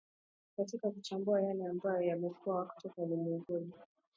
katika kuchambua yale ambayo yameweza kutokea ulimwenguni